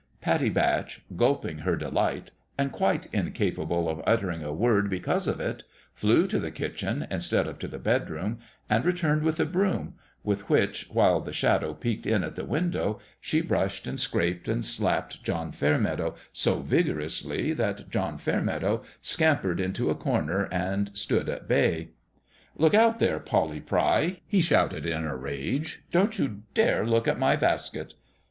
" Pattie Batch, gulping her delight, and quite incapable of uttering a word, because of it, flew to the kitchen, instead of to the bedroom, and re turned with a broom, with which, while the Shadow peeked in at the window, she brushed, and scraped, and slapped John Fairmeadow so vigorously that John Fairmeadow scampered into a corner and stood at bay. io8 CHRISTMAS EYE at SWAMPS END 11 Look out, there, Polly Pry 1 " he shouted, in a rage ;" don't you dare look at my basket."